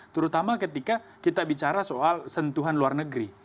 terutama ketika kita bicara soal sentuhan luar negeri